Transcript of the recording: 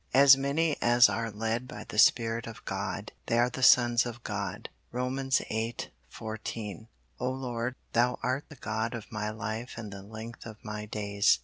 "As many as are led by the Spirit of God, they are the sons of God." Rom. viii. 14. O Lord, Thou art the God of my life and the length of my days.